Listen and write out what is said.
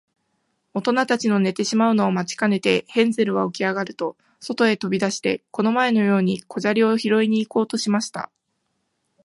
おとなたちの寝てしまうのを待ちかねて、ヘンゼルはおきあがると、そとへとび出して、この前のように小砂利をひろいに行こうとしました。